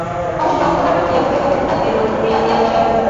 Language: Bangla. অবশেষে অকৃতকার্য হইয়া মুখের মধ্যে গোটা দুয়েক আঙুল পুরিয়া দিয়া বসিয়া রহিল।